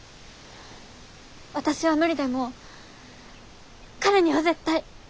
私は無理でも彼には絶対。